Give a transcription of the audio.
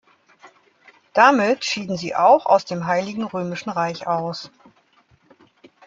Damit schieden sie auch aus dem Heiligen Römischen Reich aus.